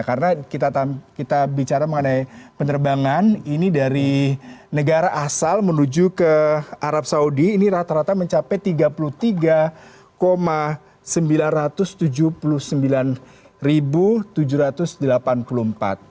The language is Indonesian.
karena kita bicara mengenai penerbangan ini dari negara asal menuju ke arab saudi ini rata rata mencapai rp tiga puluh tiga sembilan ratus tujuh puluh sembilan tujuh ratus delapan puluh empat